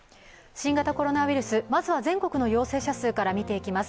新型コロナウイルス、まずは全国の陽性者数から見ていきます。